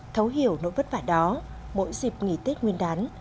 thấu hiểu nỗi vất vả đó mỗi dịp nghỉ tết nguyên đán